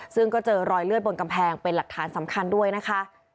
ซึ่งก็เจอรอยเลือดบนกำแพงเป็นหลักฐานสำคัญด้วยนะคะ